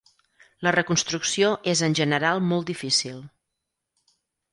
La reconstrucció és en general molt difícil.